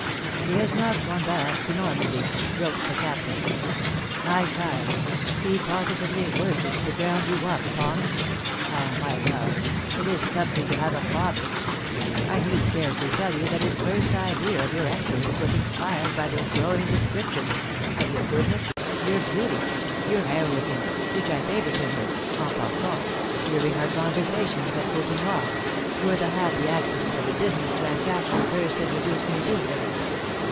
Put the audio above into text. "He has not gone back to Normandy," wrote the Captain. "My child, he positively worships the ground you walk upon. Ah, my love, it is something to have a father! I need scarcely tell you that his first idea of your excellence was inspired by those glowing descriptions of your goodness, your beauty, your heroism, which I favoured him with, en passant, during our conversations at Côtenoir, where the happy accident of a business transaction first introduced me to him.